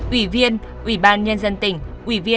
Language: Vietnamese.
ủy viên ubnd tỉnh